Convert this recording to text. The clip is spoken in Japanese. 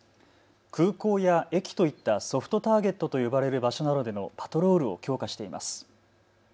空港や駅といったソフトターゲットと呼ばれる場所などでのパトロールを強化しています。